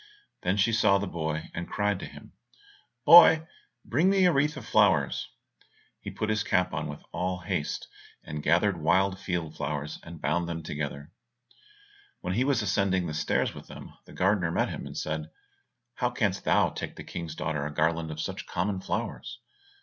Then she saw the boy, and cried to him, "Boy, bring me a wreath of flowers." He put his cap on with all haste, and gathered wild field flowers and bound them together. When he was ascending the stairs with them, the gardener met him, and said, "How canst thou take the King's daughter a garland of such common flowers?